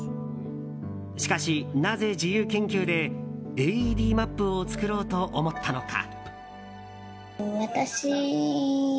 しかし、なぜ自由研究でＡＥＤマップを作ろうと思ったのか。